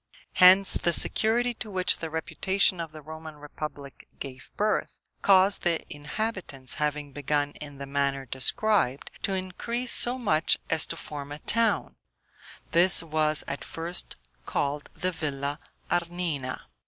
Hence, the security to which the reputation of the Roman republic gave birth, caused the inhabitants, having begun in the manner described, to increase so much as to form a town, this was at first called the Villa Arnina.